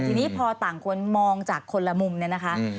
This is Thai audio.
ทีนี้พอต่างคนมองจากคนละมุมเนี่ยนะคะ